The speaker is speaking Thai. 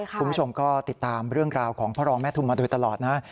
คุณผู้ชมก็ติดตามเรื่องราวของพ่อรองแม่ทุมมาโดยตลอดนะ